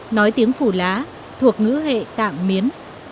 nói tiếng phù lá thuộc ngữ hệ tạm miến